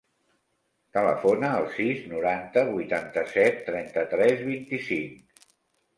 Telefona al sis, noranta, vuitanta-set, trenta-tres, vint-i-cinc.